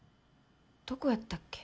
どこやったっけ？